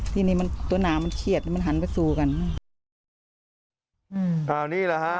ทีนี้ตัวหนามันเขียดมันหันไปสู่กัน